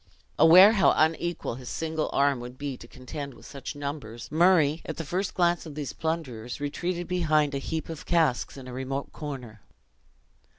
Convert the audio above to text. Aware how unequal his single arm would be to contend with such numbers, Murray, at the first glance of these plunderers, retreated behind a heap of casks in a remote corner.